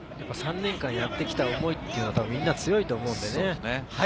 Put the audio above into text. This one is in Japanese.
３年間やってきた思いというのはみんな強いと思うんで。